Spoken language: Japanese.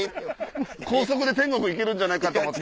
高速で天国行けるんじゃないかと思って。